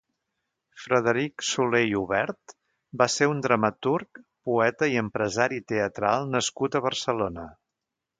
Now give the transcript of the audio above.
Frederic Soler i Hubert va ser un dramaturg, poeta i empresari teatral nascut a Barcelona.